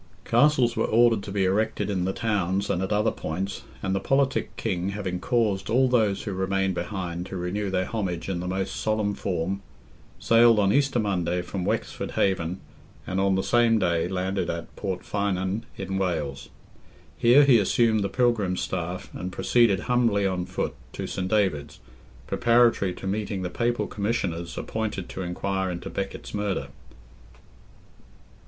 Castles were ordered to be erected in the towns and at other points, and the politic king, having caused all those who remained behind to renew their homage in the most solemn form, sailed on Easter Monday from Wexford Haven, and on the same day, landed at Port Finan in Wales. Here he assumed the Pilgrim's staff, and proceeded humbly on foot to St. David's, preparatory to meeting the Papal Commissioners appointed to inquire into Beckett's murder.